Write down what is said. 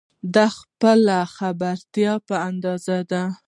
دا د خپلې خبرتیا په اندازه ده.